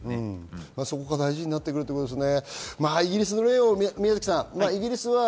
そこが大事なってくるということですね。